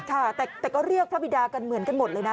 ค่ะแต่ก็เรียกพระบิดากันเหมือนกันหมดเลยนะ